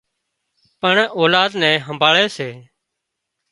پڻ اولاد نين همڀاۯي سي